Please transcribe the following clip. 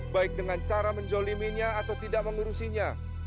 baik dengan cara menzoliminya atau tidak mengurusinya